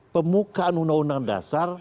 pemukaan undang undang dasar